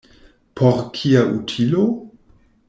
Por kia utilo?